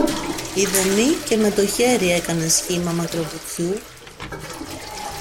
ειδεμή, και με το χέρι έκανε σχήμα μακροβουτιού